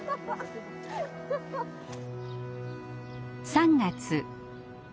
３月。